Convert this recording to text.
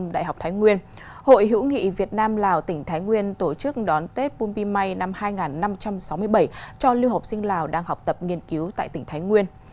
trường đại học thái nguyên hội hữu nghị việt nam lào tỉnh thái nguyên tổ chức đón tết bùm pi mai năm hai nghìn sáu mươi bảy cho lưu học sinh lào đang học tập nghiên cứu tại tỉnh thái nguyên